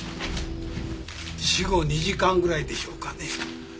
死後２時間ぐらいでしょうかね。